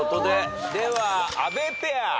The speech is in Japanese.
では阿部ペア。